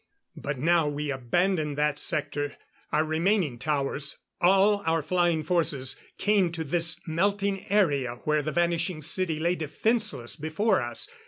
But now we abandoned that sector; our remaining towers all our flying forces came to this melting area where the vanishing city lay defenseless before us....